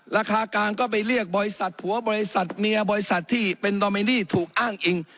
ราคากลางก็ไปเรียกบริษัทผัวบริษัทเมียบริษัทที่เป็นดอมินีถูกอ้างอิง